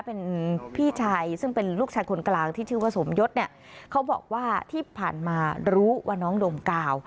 เป็นพี่ชายซึ่งเป็นลูกชายคนกลางที่ชื่อว่าสมยศเนี่ยเขาบอกว่าที่ผ่านมารู้ว่าน้องดมกาว